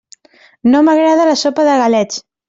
No m'agrada la sopa de galets.